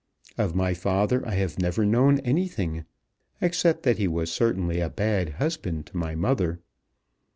Of my father I have never known anything, except that he was certainly a bad husband to my mother.